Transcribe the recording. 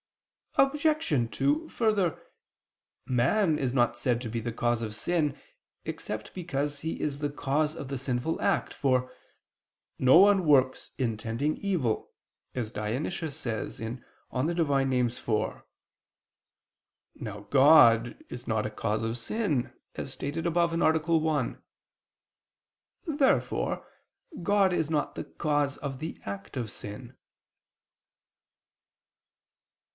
Obj. 2: Further, man is not said to be the cause of sin, except because he is the cause of the sinful act: for "no one works, intending evil," as Dionysius states (Div. Nom. iv). Now God is not a cause of sin, as stated above (A. 1). Therefore God is not the cause of the act of sin.